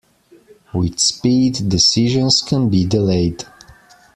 With speed, decisions can be delayed.